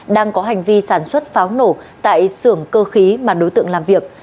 đang có hành vi sản xuất pháo nổ tại xưởng cơ khí mà đối tượng làm việc